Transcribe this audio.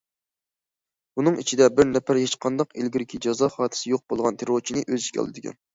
بۇنىڭ ئىچىدە بىر نەپەر ھېچقانداق ئىلگىرىكى جازا خاتىرىسى يوق بولغان تېررورچىنى ئۆز ئىچىگە ئالىدىكەن.